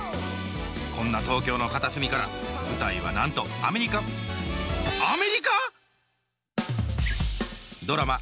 こんな東京の片隅から舞台はなんとアメリカドラマ